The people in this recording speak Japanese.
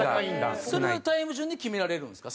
それはタイム順に決められるんですか？